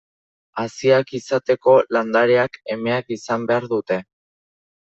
Haziak izateko landareak emeak izan behar dute.